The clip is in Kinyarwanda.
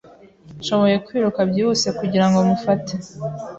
Nshobora kwiruka byihuse kugirango mumufate.